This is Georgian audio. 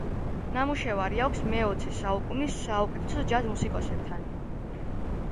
ნამუშევარი აქვს მეოცე საუკუნის საუკეთესო ჯაზ მუსიკოსებთან.